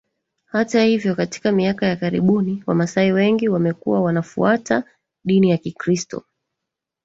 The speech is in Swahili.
Hata hivyo katika miaka ya karibuni wamasai wengi wamekuwa wanafuata dini ya kikiristo